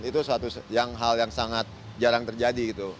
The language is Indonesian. itu suatu hal yang sangat jarang terjadi gitu